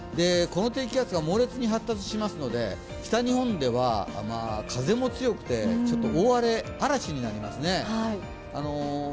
この低気圧が猛烈に発達しますので、北日本では風も強くて嵐になりますね。